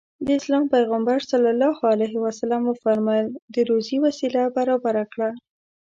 د اسلام پيغمبر ص وفرمايل د روزي وسيله برابره کړه.